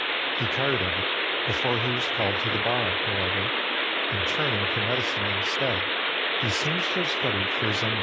He tired of it before he was called to the bar, however; and turning to medicine instead, he seems to have studied for his M.